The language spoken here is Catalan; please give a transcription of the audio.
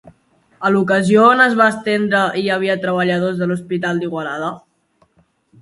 A l'ocasió on es va estendre hi havia treballadors de l'Hospital d'Igualada?